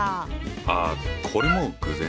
ああこれも偶然。